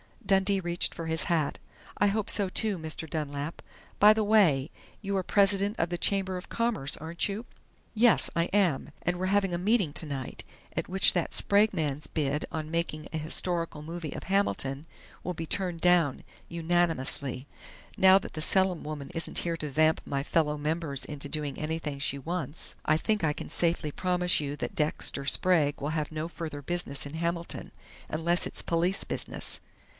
Dundee reached for his hat. "I hope so, too, Mr. Dunlap.... By the way, you are president of the Chamber of Commerce, aren't you?" "Yes, I am! And we're having a meeting tonight, at which that Sprague man's bid on making a historical movie of Hamilton will be turned down unanimously. Now that the Selim woman isn't here to vamp my fellow members into doing anything she wants, I think I can safely promise you that Dexter Sprague will have no further business in Hamilton unless it is police business!"